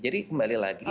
jadi kembali lagi